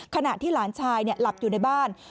ขณะที่หลานชายหลับอยู่ในบ้าน